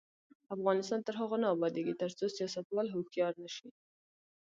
افغانستان تر هغو نه ابادیږي، ترڅو سیاستوال هوښیار نشي.